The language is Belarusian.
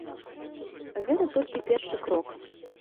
Гэта толькі першы крок.